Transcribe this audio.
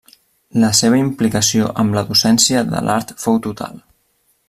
La seva implicació amb la docència de l'art fou total.